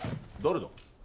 誰だ？